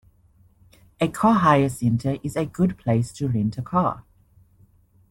A car hire centre is a good place to rent a car